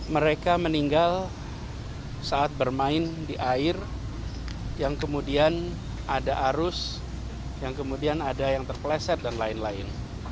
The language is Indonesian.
mereka meninggal saat bermain di air yang kemudian ada arus yang kemudian ada yang terpleset dan lain lain